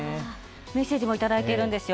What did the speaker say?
メッセージも頂いているんですよ。